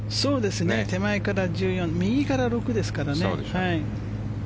手前から１４右から６ですからね。